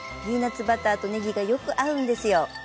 ピーナツバターとねぎがよく合うんですよ。